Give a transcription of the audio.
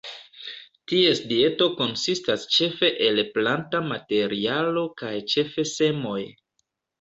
Ties dieto konsistas ĉefe el planta materialo kaj ĉefe semoj.